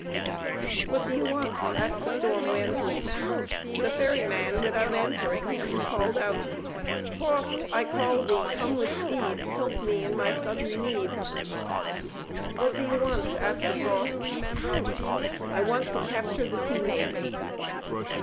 "What do you want?" asked the Storm wind. The ferry man without answering him, called out: "Frost, I call thee; come with speed, Help me in my sudden need!" "What do you want?" asked the Frost. "I want to capture the sea maiden."